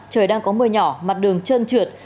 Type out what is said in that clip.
trời đang có mưa nhỏ mặt đường trơn trượt